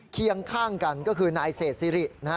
เคียงข้างกันก็คือนายเศษสิรินะฮะ